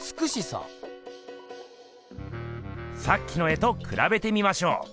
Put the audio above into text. さっきの絵とくらべてみましょう。